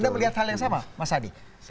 anda melihat hal yang sama mas adi